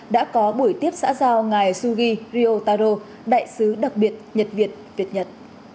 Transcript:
đã có buổi tiếp xã giao ngài sugi ryotaro đại sứ đặc biệt nhật việt việt nhật